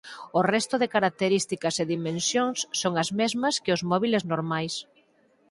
O resto de características e dimensións son as mesmas que os móbiles normais.